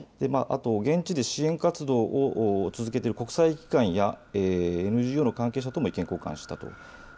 あと、現地で支援活動を続けている国際機関やＮＧＯの関係者とも意見交換したと。